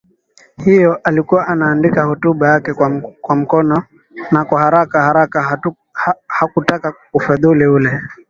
hiyo alikuwa anaandika hotuba yake kwa mkono na kwa haraka haraka Hakutaka ufedhuli ule